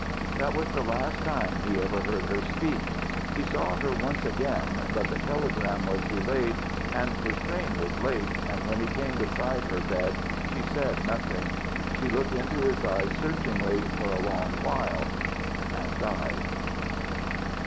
That was the last time he ever heard her speak. He saw her once again, but the telegram was delayed and his train was late, and when he came beside her bed she said nothing. She looked into his eyes searchingly, for a long while, and died.